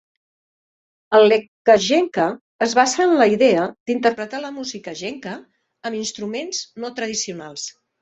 El letkajenkka es basa en la idea d'interpretar la música Jenkka amb instruments no tradicionals.